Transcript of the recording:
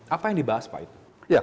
apa yang dibahas pak itu